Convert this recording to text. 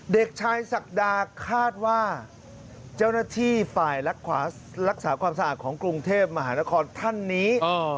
เด็กชายศักดาคาดว่าเจ้าหน้าที่ฝ่ายรักษาความสะอาดของกรุงเทพมหานครท่านนี้